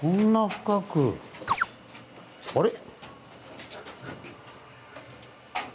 あれ？